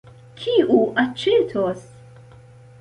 Kiu aĉetos?